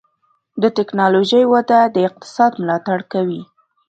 د ټکنالوجۍ وده د اقتصاد ملاتړ کوي.